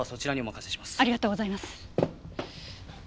ありがとうございます。